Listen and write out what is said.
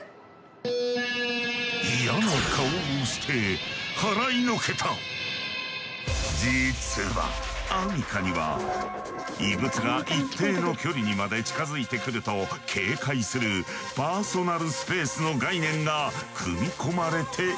嫌な顔をして実はアミカには異物が一定の距離にまで近づいてくると警戒するパーソナルスペースの概念が組み込まれているのだ。